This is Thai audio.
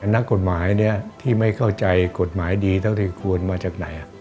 นักกฎหมายที่ไม่เข้าใจกฎหมายดีเท่าที่ควรมาจากไหน